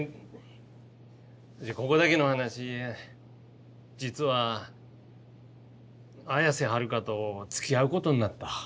じゃあここだけの話実は綾瀬はるかとつきあうことになった。